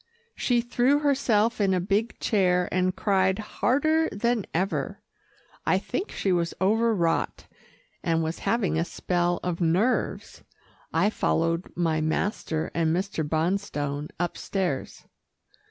She threw herself in a big chair, and cried harder than ever. I think she was overwrought, and was having a spell of nerves. I followed my master and Mr. Bonstone upstairs.